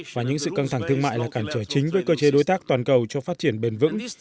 và những sự căng thẳng thương mại là cản trở chính với cơ chế đối tác toàn cầu cho phát triển bền vững